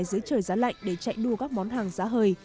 chúng tôi đã đến trời giá lạnh để chạy đua các món hàng giá hời